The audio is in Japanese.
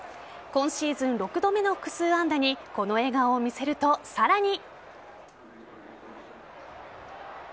今シーズン６度目の複数安打にこの笑顔を見せると、さらに。